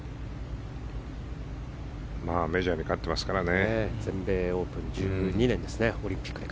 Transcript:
メジャー勝ってますからね。